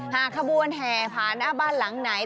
หากคระบวนแห่ผาหน้าบ้านหลังไหน